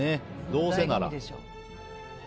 どうせなら。